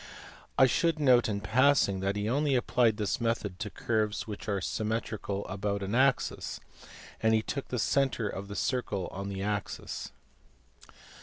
I should note in passing that he only applied this method to curves which are symmetrical about an axis, and he took the centre of the circle on the axis.